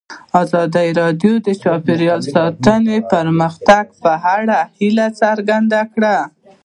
ازادي راډیو د چاپیریال ساتنه د پرمختګ په اړه هیله څرګنده کړې.